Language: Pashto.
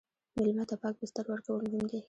مېلمه ته پاک بستر ورکول مهم دي.